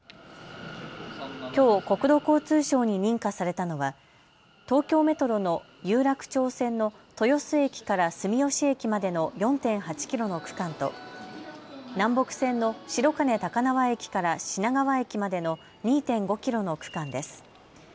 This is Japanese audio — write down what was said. きょう国土交通省に認可されたのは東京メトロの有楽町線の豊洲駅から住吉駅までの４．８キロの区間と南北線の白金高輪駅から品川駅までの２．５キロの区間です。